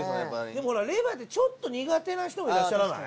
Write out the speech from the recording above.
でもほらレバーってちょっと苦手な人もいらっしゃらない？